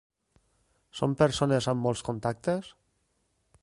Són persones amb molts contactes?